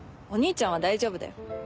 お兄ちゃんは大丈夫だよ。